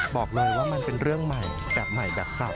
บอกเลยว่ามันเป็นเรื่องใหม่แบบใหม่แบบเศร้า